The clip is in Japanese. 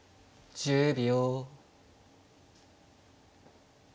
１０秒。